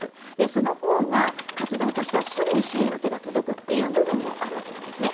そのほうが活動としてはすぐに支援の手が届く部分もあるわけなんですね。